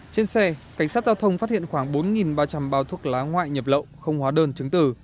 trên xe cảnh sát giao thông phát hiện khoảng bốn ba trăm linh bao thuốc lá ngoại nhập lậu không hóa đơn chứng tử